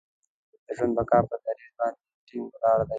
د ژوند د بقا پر دریځ باندې ټینګ ولاړ دی.